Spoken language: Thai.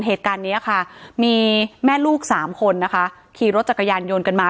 เหตุการณ์นี้ค่ะมีแม่ลูกสามคนนะคะขี่รถจักรยานยนต์กันมา